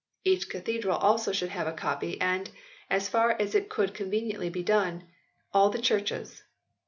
Each cathedral also should have a copy, and " as far as it could be conveniently done," all the churches.